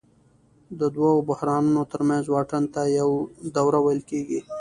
د دوو بحرانونو ترمنځ واټن ته یوه دوره ویل کېږي